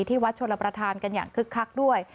วัดชลประธานกันอย่างคึกคักด้วย